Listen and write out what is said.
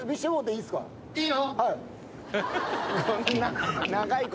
いいの？